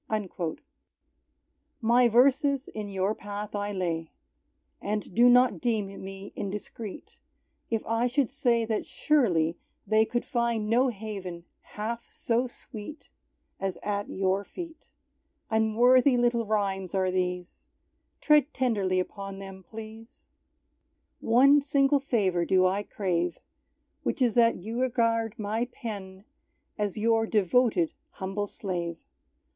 _" My verses in Your path I lay, And do not deem me indiscreet, If I should say that surely they Could find no haven half so sweet As at Your feet. Unworthy little rhymes are these, Tread tenderly upon them, please! One single favour do I crave, Which is that You regard my pen As Your devoted humble slave.